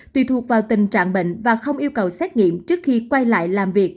tùy thuộc vào tình trạng bệnh và không yêu cầu xét nghiệm trước khi quay lại làm việc